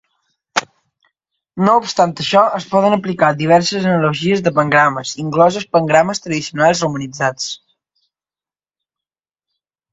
No obstant això, es poden aplicar diverses analogies de pangrames, inclosos pangrames tradicionals romanitzats.